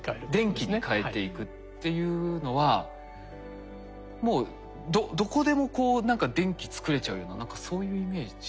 電気に変えていくっていうのはもうどこでもこう何か電気作れちゃうような何かそういうイメージに。